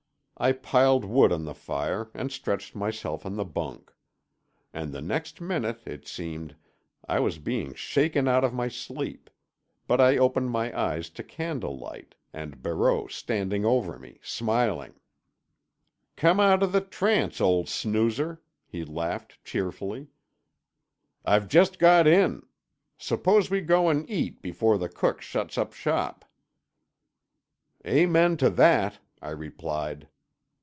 I piled wood on the fire, and stretched myself on the bunk. And the next minute, it seemed, I was being shaken out of my sleep—but I opened my eyes to candle light, and Barreau standing over me, smiling. "Come out of the trance, old snoozer," he laughed cheerfully. "I've just got in. Suppose we go and eat before the cook shuts up shop." "Amen to that," I replied.